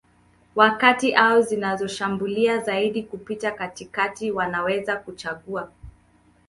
wa kati au zinazoshambulia zaidi kupitia katikati wanaweza kuchagua